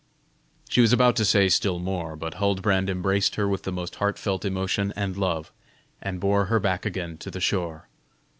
She was about to say still more, but Huldbrand embraced her with the most heartfelt emotion and love, and bore her back again to the shore.